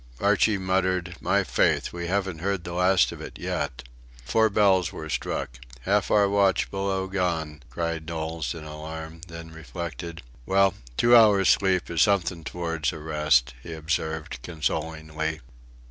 Archie muttered: "My faith! we haven't heard the last of it yet!" Four bells were struck. "Half our watch below gone!" cried Knowles in alarm, then reflected. "Well, two hours' sleep is something towards a rest," he observed, consolingly.